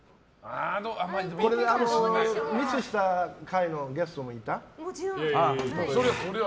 ミスした回のゲストもいた？